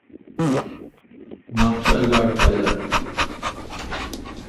مامسا لاٹ پایال۔